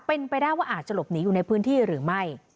เป็นไปได้ว่าอาจจะหลบหนีอยู่ในพื้นที่หรือไม่